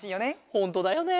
ほんとだよね！